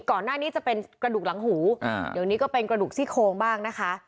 ก่อนหน้านี้จะเป็นกระดูกหลังหูเดี๋ยวนี้ก็เป็นกระดูกซี่โคงบ้างนะคะ